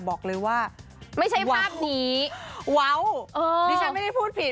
บอกเลยว่าไม่ใช่ภาพนี้เว้าดิฉันไม่ได้พูดผิด